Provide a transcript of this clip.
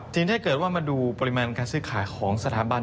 ทีนี้ถ้าเกิดว่ามาดูปริมาณการซื้อขายของสถาบัน